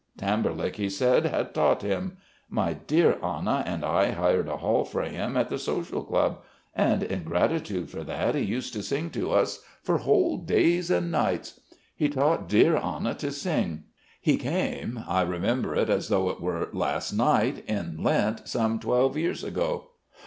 Tamberlik, he said, had taught him.... My dear Anna and I hired a hall for him at the Social Club, and in gratitude for that he used to sing to us for whole days and nights.... He taught dear Anna to sing. He came I remember it as though it were last night in Lent, some twelve years ago.